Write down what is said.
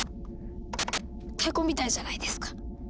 太鼓みたいじゃないですか！